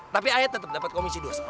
tapi alia tetep dapat komisi dua setan